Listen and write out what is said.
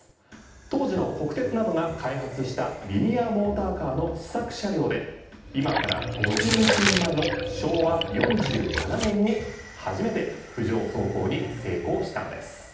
当時の国鉄などが開発したリニアモーターカーの試作車両で今から５１年前の昭和４７年に初めて浮上走行に成功したんです。